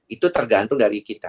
itu tergantung dari kita